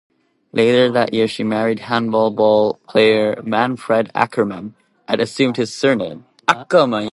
Later that year, she married handball player Manfred Ackermann, and assumed his surname.